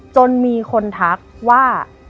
จนมีคนทักว่า